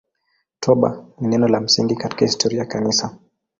Toba ni neno la msingi katika historia ya Kanisa.